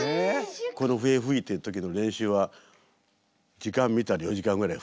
この笛吹いてる時の練習は時間見たら４時間ぐらい吹いてる。